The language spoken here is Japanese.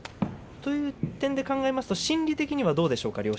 そういう点で考えると心理的には両者どうでしょうか。